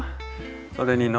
それに糊。